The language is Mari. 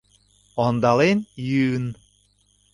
ОНДАЛЕН ЙӰЫН